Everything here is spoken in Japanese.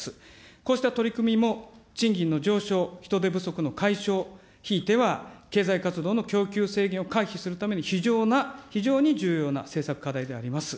こうした取り組みも賃金の上昇、人手不足の解消、ひいては経済活動の供給制限を回避するために、非常に重要な政策課題であります。